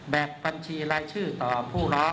แบบบัญชีรายชื่อต่อผู้ร้อง